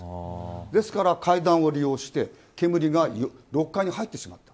ですから、階段を利用して煙が６階に入ってしまった。